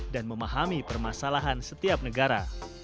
dan memahami permasalahan setiap negara